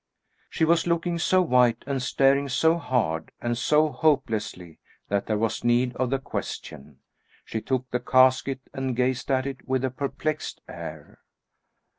She was looking so white, and staring so hard and so hopelessly, that there was need of the question. She took the casket and gazed at it with a perplexed air.